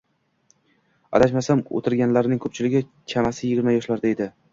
adashmasam, oʻtirganlarning koʻpchiligi chamasi yigirma yoshlarda edi.